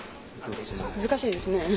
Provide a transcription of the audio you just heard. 難しいですね。